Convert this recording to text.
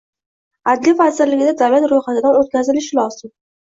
Adliya vazirligida davlat ro‘yxatidan o‘tkazilishi lozim.